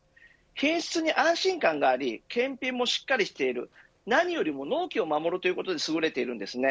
品質に安心感があり検品もしっかりしている何よりも納期を守るということに優れているんですね。